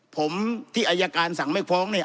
ผมที่อายการสั่งไม่ฟ้องเนี่ย